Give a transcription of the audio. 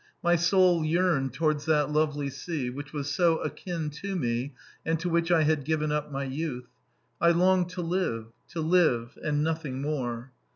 My soul yearned towards that lovely sea, which was so akin to me and to which I had given up my youth. I longed to live to live and nothing more.